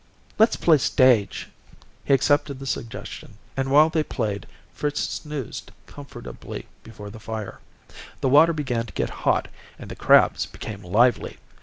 "Let's play stage." He accepted the suggestion, and while they played, Fritz snoozed comfortably before the fire. The water began to get hot, and the crabs became lively.